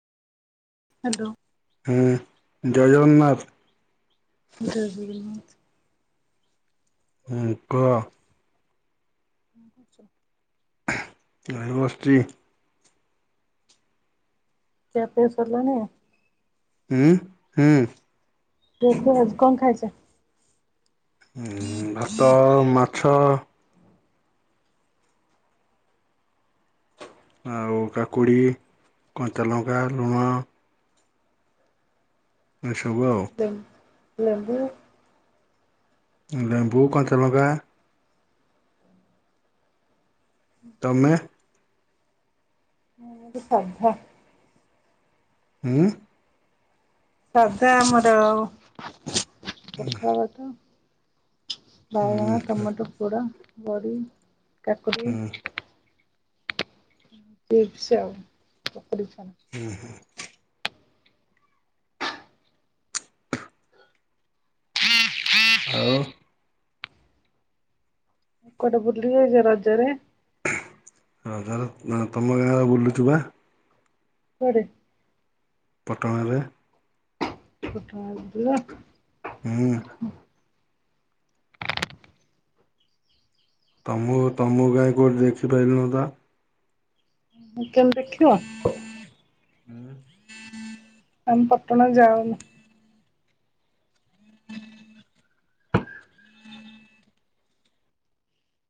Hello. ହୁଁ ଜୟ ଜଗନ୍ନାଥ। ଜୟ ଜଗନ୍ନାଥ। ହୁଁ କୁହ? କଣ କରୁଚ? ଘରେ ବାସଚି। ଖିଆପିଆ ସରଲାଣି? ହୁଁ ହୁଁ। [unintelligible] କଣ ଖାଇଚ? ଭାତ ମା ଛ। ଆଉ କାକୁଡ଼ି କଞ୍ଚାଲଙ୍କା ଲୁଣ। ଆ ସବୁ ଆଉ। ଲେମ୍ବୁ। ଲେମ୍ବୁ କଞ୍ଚାଲଙ୍କା। ତମେ? [unintelligible] ସାଧା। ଉଁ ସାଧା ଆମର। ହୁଁ ପାଖାଳଭାତ। ବାଇଗଣ ହୁଁ ଟମାଟ ପୋଡ଼ା। ବଡ଼ି କାକୁଡି। ଚିପ୍ସ ପକୁଡ଼ି ଛଣା। ଉଁ ହୁଁ। ଆଉ? କୋଉଟି ବୁଲିବଯ ରାଜରେ? ରାଜ ରେ ତମ ଗାଁରେ ବୁଲୁଚୁ ପା। କୁଆଡେ? ପଟଣାରେ। [unintelligible] ହୁଁ। ତମ ତମକୁ କାଇଁ କଉଠି ଦେଖିପାଇଲୁନୁତ। କେମିତି ତମେ ଦେଖିବ। ହୁଁ। ଆଉ ମୁଁ ପଟଣା ଯାଉନି।